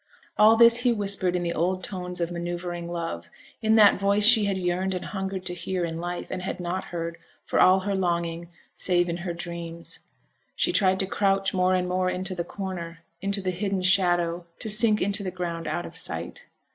All this he whispered in the old tones of manoeuvring love, in that voice she had yearned and hungered to hear in life, and had not heard, for all her longing, save in her dreams. She tried to crouch more and more into the corner, into the hidden shadow to sink into the ground out of sight.